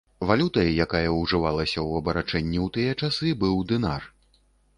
Валютай, якая ўжывалася ў абарачэнні ў тыя часы, быў дынар.